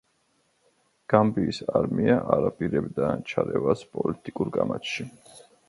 გამბიის არმია არ აპირებდა ჩარევას პოლიტიკურ კამათში.